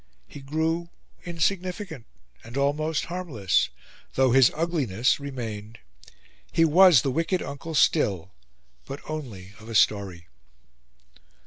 He grew insignificant and almost harmless, though his ugliness remained; he was the wicked uncle still but only of a story.